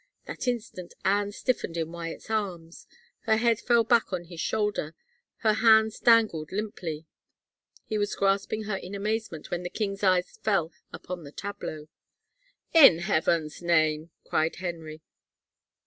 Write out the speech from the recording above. That instant Anne stiifened in Wyatt's arms. Her head fell back on his shoulder, her hands dangled limply. He was grasping her in amazement when the king's eyes fell upon the tableau. " In Heaven's name !" cried Henry.